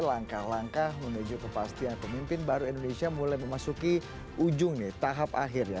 langkah langkah menuju kepastian pemimpin baru indonesia mulai memasuki ujung nih tahap akhirnya